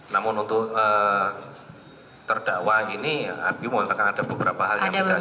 namun untuk terdakwa ini mohon perhatikan ada beberapa hal yang tidak sinkron